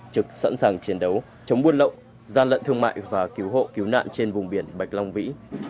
trực sẵn sàng chiến đấu chống buôn lậu gian lận thương mại và cứu hộ cứu nạn trên vùng biển bạch long vĩ